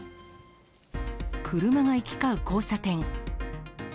車が行き交う交差点。